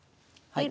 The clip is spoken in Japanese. はい。